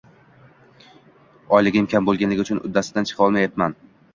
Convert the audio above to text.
oyligim kam bo‘lgani uchun uddasidan chiqa olmayapman.